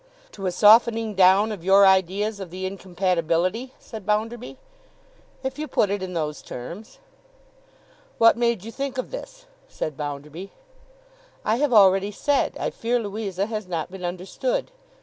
'To a softening down of your ideas of the incompatibility?' said Bounderby. 'If you put it in those terms.' 'What made you think of this?' said Bounderby. 'I have already said, I fear Louisa has not been understood.